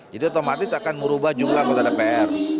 jadi otomatis akan merubah jumlah anggota dpr